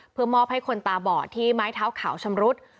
เพื่อมอบให้คนตาบอดที่ไม้เท้าขาวชำรุด